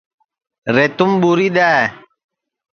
ریتُوم ٻوری دؔے